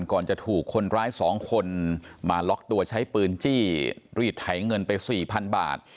ก่อนจะถูกคนร้าย๒คนมาล็อกตัวใช้ปืนจี้รีดไถเงินไป๔๐๐๐บาท